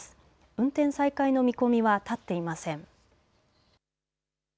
運転再開の見込みは立っていません。